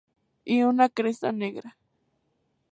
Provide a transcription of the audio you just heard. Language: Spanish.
Y una cresta negra.